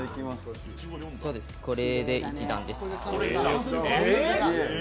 これで１段です。